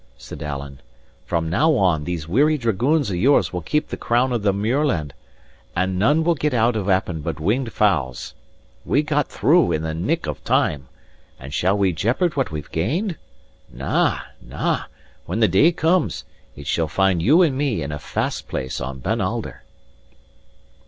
said Alan. "From now on, these weary dragoons of yours will keep the crown of the muirland, and none will get out of Appin but winged fowls. We got through in the nick of time, and shall we jeopard what we've gained? Na, na, when the day comes, it shall find you and me in a fast place on Ben Alder."